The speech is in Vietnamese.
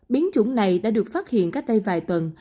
biến chủng này đã được phát hiện cách đây vài tuần